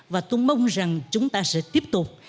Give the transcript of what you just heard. và tôi mong rằng chúng ta sẽ tiếp tục